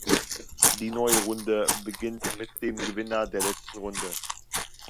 Die neue Runde beginnt mit dem Gewinner der letzten Runde.